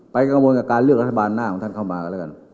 กังวลกับการเลือกรัฐบาลหน้าของท่านเข้ามากันแล้วกัน